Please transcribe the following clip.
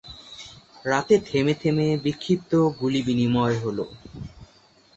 রাতে থেমে থেমে বিক্ষিপ্ত গুলিবিনিময় হলো।